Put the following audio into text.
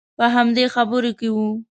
په همدې خبرو کې وو.